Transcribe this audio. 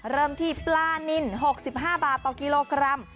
เริ่มที่ปลานิน๖๕บาทต่อกิโลกรัม